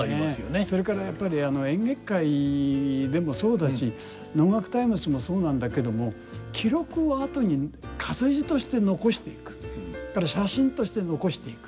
それからやっぱり「演劇界」でもそうだし「能樂タイムズ」もそうなんだけども記録を後に活字として残していく写真として残していく。